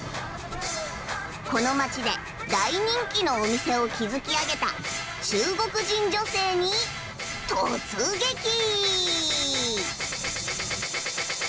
この街で大人気のお店を築き上げた中国人女性に突撃！